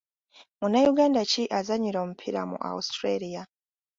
Munnayuganda ki azannyira omupiira mu Austria?